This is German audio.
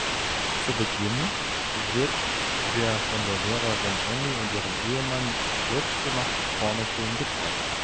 Zu Beginn wird der von der Lehrerin Emi und ihrem Ehemann selbstgemachte Pornofilm gezeigt.